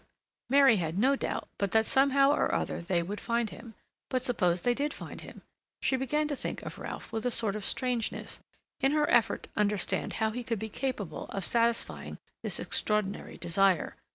Mary had no doubt but that somehow or other they would find him. But suppose they did find him? She began to think of Ralph with a sort of strangeness, in her effort to understand how he could be capable of satisfying this extraordinary desire.